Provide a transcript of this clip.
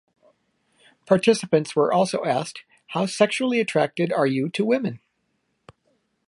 Participants were also asked How sexually attracted are you to women?